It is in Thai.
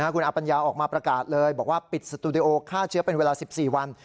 คุณอาปัญญาออกมาประกาศเลยบอกว่าปิดสตูดิโอฆ่าเชื้อเป็นเวลา๑๔วัน